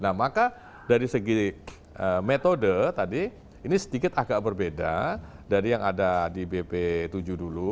nah maka dari segi metode tadi ini sedikit agak berbeda dari yang ada di bp tujuh dulu